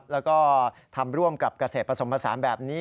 แล้วก็ทำร่วมกับเกษตรผสมผสานแบบนี้